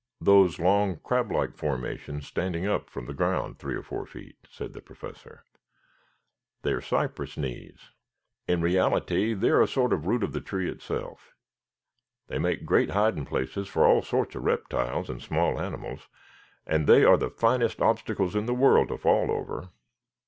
"Those long, crab like formations standing up from the ground three or four feet," said the Professor. "They are the cypress knees. In reality they are a sort of root of the tree itself. They make great hiding places for all sorts of reptiles and small animals, and they are the finest obstacles in the world to fall over."